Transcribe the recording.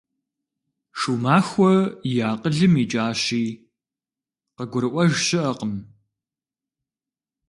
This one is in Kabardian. Шумахуэ и акъылым икӀащи, къыгурыӀуэж щыӀэкъым.